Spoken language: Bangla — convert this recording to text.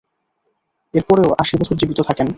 এর পরেও আশি বছর জীবিত থাকেন।